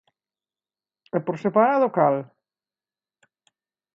E por separado ¿cal?